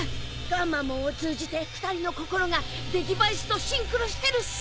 ガンマモンを通じて２人の心がデジヴァイスとシンクロしてるっす！